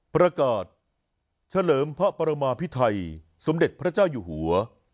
ประกาศเฉลิมพระปรมาพิไทยสมเด็จพระเจ้าอยู่หัว